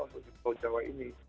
untuk pulau jawa ini